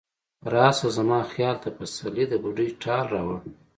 راشه زما خیال ته، پسرلی د بوډۍ ټال راوړه